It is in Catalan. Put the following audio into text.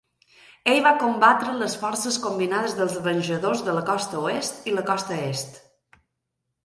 Ell va combatre les forces combinades dels Venjadors de la costa oest i la costa est.